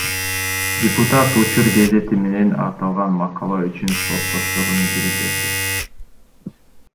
Депутат Учур гезити менен аталган макала үчүн соттошорун билдирди.